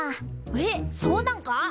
えっそうなんか？